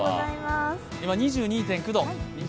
今２２．９度。